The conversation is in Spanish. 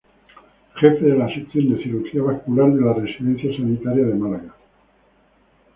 Jefe de la Sección de Cirugía Vascular de la Residencia Sanitaria de Málaga.